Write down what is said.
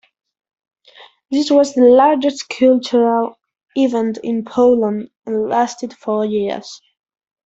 This was the largest cultural event in Poland and lasted four years.